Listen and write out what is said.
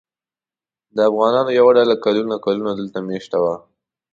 د افغانانو یوه ډله کلونه کلونه دلته مېشته ده.